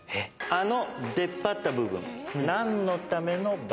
あの出っ張った部分。